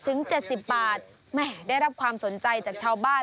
ถึงเจ็ดสิบบาทแหมด้รับความสนใจจากชาวบ้าน